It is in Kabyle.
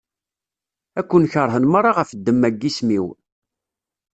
Ad ken-keṛhen meṛṛa ɣef ddemma n yisem-iw.